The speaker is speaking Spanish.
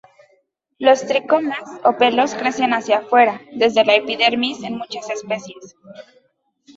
Los tricomas o pelos crecen hacia fuera desde la epidermis en muchas especies.